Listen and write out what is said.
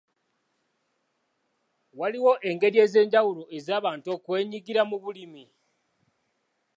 Waliwo engeri ez'enjawulo ez'abantu okwenyigira mu bulimi.